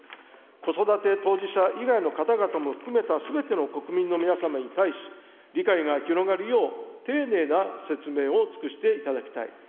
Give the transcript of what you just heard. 子育て当事者以外の方々も含めたすべての国民の皆様に対し、理解が広がるよう丁寧な説明を尽くしていただきたい。